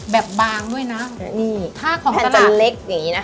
บางด้วยนะนี่ผ้าของมันจะเล็กอย่างนี้นะคะ